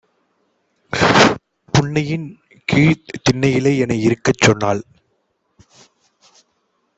புன்னையின்கீழ்த் தின்னையிலே எனைஇருக்கச் சொன்னாள்.